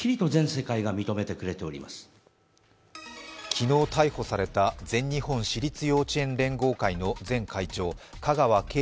昨日逮捕された全日本私立幼稚園連合会の前会長香川敬